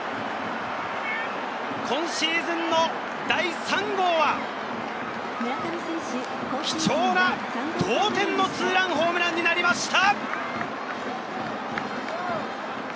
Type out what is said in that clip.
今シーズンを第３号は貴重な同点のツーランホームランになりました。